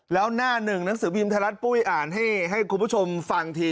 แล้วหน้าหนึ่งหนังสือพิมพ์ไทยรัฐปุ้ยอ่านให้คุณผู้ชมฟังที